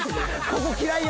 ここ嫌いや。